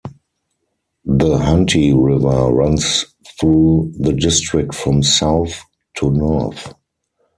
The Hunte River runs through the district from south to north.